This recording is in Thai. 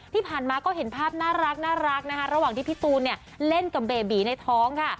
ที่ผ่านมาก็เห็นภาพน่ารักนะคะระหว่างที่พี่ตูนเนี่ยเล่นกับเบบีในท้องค่ะ